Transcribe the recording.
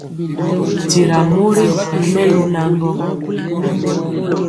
Tyira mori ri melu naŋgɔ,